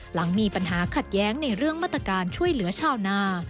หลังมีปัญหาขัดแย้งในเรื่องมาตรการช่วยเหลือชาวนา